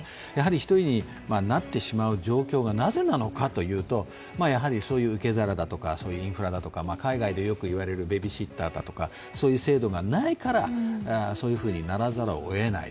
１人になってしまう状況がなぜなのかというと、そういう受け皿だとかインフラだとか、海外でよくいわれるベビーシッターだとか、そういう制度がないから、そういうふうにならざるをえない。